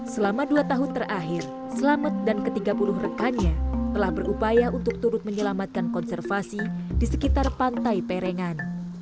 selama dua tahun terakhir selamet dan ke tiga puluh rekannya telah berupaya untuk turut menyelamatkan konservasi di sekitar pantai perengan